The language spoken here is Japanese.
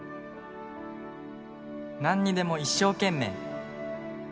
「何にでも一生懸命」